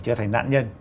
trở thành nạn nhân